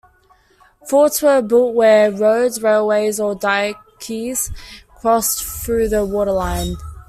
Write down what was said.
Forts were built where roads, railways, or dikes crossed through the water line.